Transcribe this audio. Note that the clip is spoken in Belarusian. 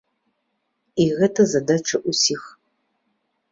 І гэта задача ўсіх.